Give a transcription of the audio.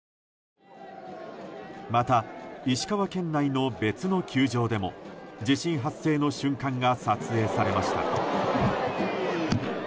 また石川県内の別の球場でも地震発生の瞬間が撮影されました。